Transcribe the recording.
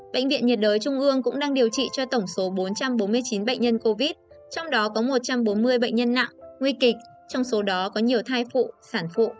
bệnh viện nhiệt đới trung ương cũng đang điều trị cho tổng số bốn trăm bốn mươi chín bệnh nhân covid trong đó có một trăm bốn mươi bệnh nhân nặng nguy kịch trong số đó có nhiều thai phụ sản phụ